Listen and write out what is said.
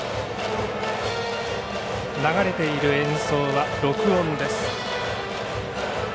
流れている演奏は録音です。